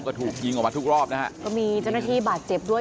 ก็ถูกยิงออกมาทุกรอบนะฮะก็มีเจ้าหน้าที่บาดเจ็บด้วย